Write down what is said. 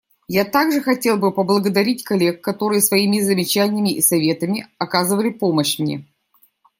Я также хотел бы поблагодарить коллег, которые своими замечаниями и советами оказывали помощь мне.